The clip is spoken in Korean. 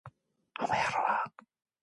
영철이는 그의 어머니 곁으로 와서 안긴다.